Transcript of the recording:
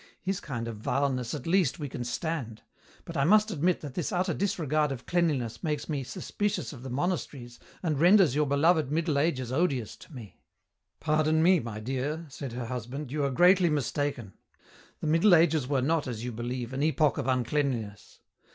His kind of 'vileness' at least we can stand. But I must admit that this utter disregard of cleanliness makes me suspicious of the monasteries and renders your beloved Middle Ages odious to me." "Pardon me, my dear," said her husband, "you are greatly mistaken. The Middle Ages were not, as you believe, an epoch of uncleanliness.